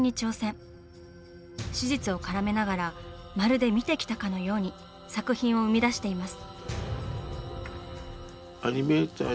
史実をからめながらまるで見てきたかのように作品を生み出しています。